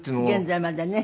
現在までね。